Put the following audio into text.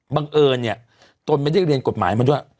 บังเอิญเนี่ยตนไม่ได้เรียนกฎหมายมาด้วย